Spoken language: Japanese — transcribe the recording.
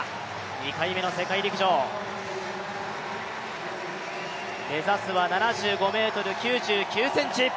２回目の世界陸上、目指すは７５ｍ９９ｃｍ。